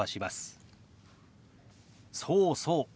そうそう。